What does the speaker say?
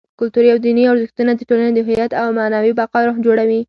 کلتوري او دیني ارزښتونه: د ټولنې د هویت او معنوي بقا روح جوړوي.